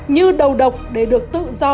như đầu độc để được tự do